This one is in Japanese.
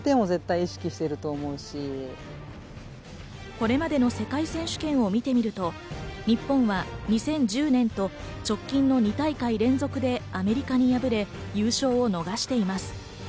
これまでの世界選手権を見てみると、日本は２０１０年と直近の２大会連続でアメリカに敗れ、優勝を逃しています。